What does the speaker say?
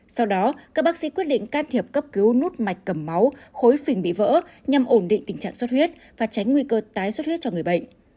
sau đó các bác sĩ quyết định can thiệp cấp cứu nút mạch cầm máu khối phình bị vỡ nhằm ổn định tình trạng xuất huyết và tránh nguy cơ tái xuất huyết cho người bệnh